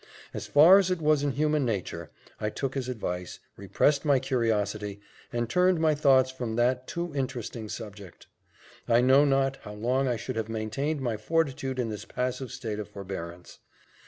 As far as it was in human nature, I took his advice, repressed my curiosity, and turned my thoughts from that too interesting subject. I know not how long I should have maintained my fortitude in this passive state of forbearance.